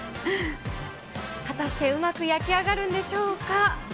果たしてうまく焼き上がるんでしょうか。